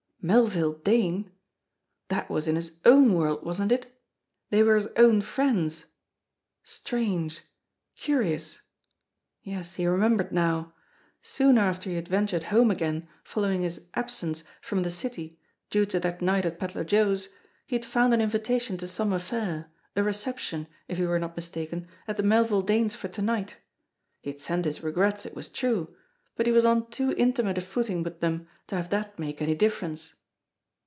Melville Dane! That was in his own world, wasn't it? They were his own friends. Strange ! Curious ! Yes, he remembered now. Soon after he had ventured home again following his "absence" from the city, due to that night at Pedler Joe's, he had found an invitation to some affair, a reception, if he were not mis taken, at the Melville Danes' for to night. He had sent his regrets, it was true; but he was on too intimate a footing with them to have that make any difference.